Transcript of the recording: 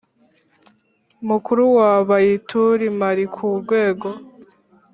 Mukuru wa Bayitul Mali ku rwego